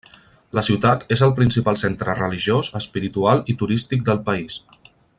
La ciutat és el principal centre religiós, espiritual, i turístic del país.